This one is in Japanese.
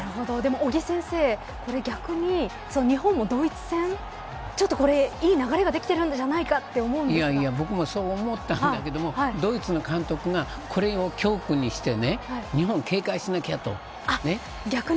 尾木先生、逆に日本もドイツ戦ちょっとこれ、いい流れができているんじゃないか僕もそう思ったんだけどドイツの監督がこれを教訓にして日本を警戒しなきゃと。